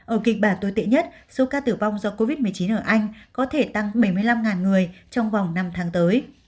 ở kịch bản tồi tệ nhất số ca tử vong do covid một mươi chín ở anh có thể tăng bảy mươi năm người trong vòng năm tháng tới